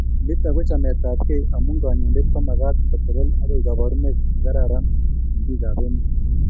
Nito ko chametabkei amu konyoindet komagat kotelel akoek koborunet nekararan eng bikap emet